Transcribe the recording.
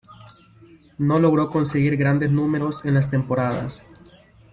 No logró conseguir grandes números en las temporadas.